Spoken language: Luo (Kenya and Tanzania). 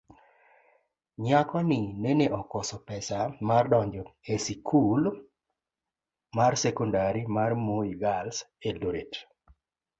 nyako ni nene okoso pesa mar dongo esikul marsekondari mar Moi Girls, Eldoret